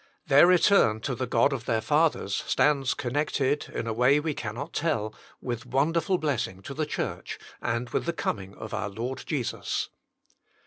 Their return to the God of their fathers stands connected, in a way we cannot tell, with wonderful blessing to the Church, and with the coming of our Lord Jesus.